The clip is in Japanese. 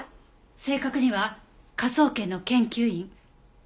正確には科捜研の研究員。